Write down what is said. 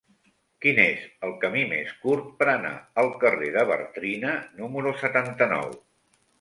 Quin és el camí més curt per anar al carrer de Bartrina número setanta-nou?